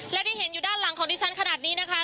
และที่เห็นอยู่ด้านหลังของดิฉันขนาดนี้นะคะ